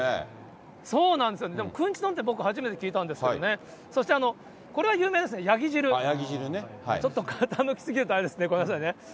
そうなんですよ、でもくんち丼って僕、初めて聞いたんですけれども、そして、これは有名ですね、ヤギ汁、ちょっと傾きすぎるとあれですね、ごめんなさいね。